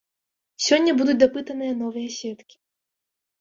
Сёння будуць дапытаныя новыя сведкі.